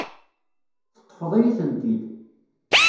Teṭṭfeḍ-iyi-tent-id.